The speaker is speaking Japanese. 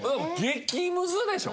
激ムズでしょ？